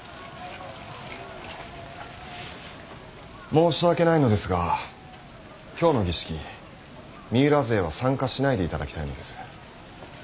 申し訳ないのですが今日の儀式三浦勢は参加しないでいただきたいのです。